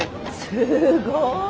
すごい！